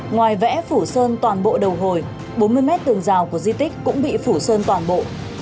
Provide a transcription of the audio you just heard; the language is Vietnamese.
ngoài vẽ phủ sơn toàn bộ đầu hồi bốn mươi mét tường rào của di tích cũng bị phủ sơn toàn bộ